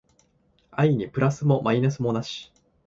愛にプラスもマイナスもなし